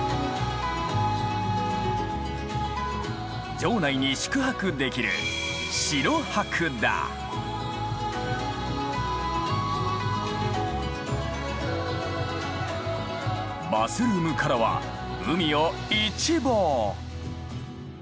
城内に宿泊できるバスルームからは海を一望！